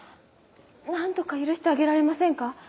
何とか許してあげられませんか？